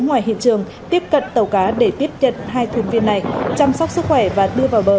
ngoài hiện trường tiếp cận tàu cá để tiếp nhận hai thuyền viên này chăm sóc sức khỏe và đưa vào bờ